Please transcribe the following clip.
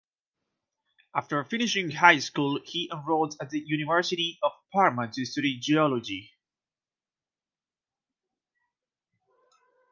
After finishing high school, he enrolled at the University of Parma to study Geology.